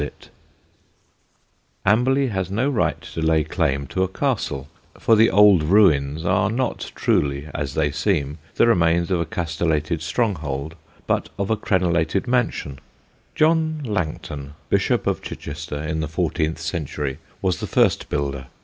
[Sidenote: AMBERLEY AND PARHAM] Amberley has no right to lay claim to a castle, for the old ruins are not truly, as they seem, the remains of a castellated stronghold, but of a crenellated mansion. John Langton, Bishop of Chichester in the fourteenth century, was the first builder.